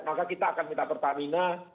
maka kita akan minta pertamina